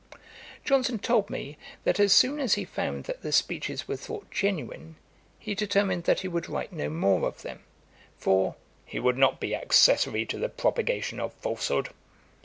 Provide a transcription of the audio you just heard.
Johnson told me that as soon as he found that the speeches were thought genuine, he determined that he would write no more of them; for 'he would not be accessary to the propagation of falsehood.'